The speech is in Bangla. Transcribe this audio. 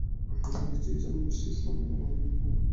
বিজয়ী জনগোষ্ঠী ইসলাম ধর্ম গ্রহণ করে এই পরাধীন মর্যাদা এড়াতে পারে।